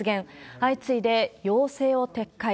相次いで要請を撤回。